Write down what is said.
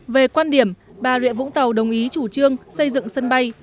về quan điểm bà rịa vũng tàu đồng ý chủ trương xây dựng sân bay